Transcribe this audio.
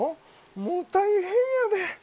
もう大変やで。